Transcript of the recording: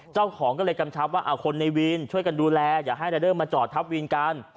เจ้าของก็เลยกำชับว่าคนในวินช่วยกันดูแลอย่าให้รายเดอร์มาจอดทับวินกัน